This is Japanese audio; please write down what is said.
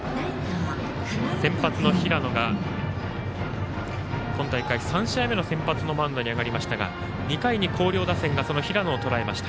先発の平野が今大会３試合目の先発のマウンドに上がりましたが２回に広陵打線がその平野をとらえました。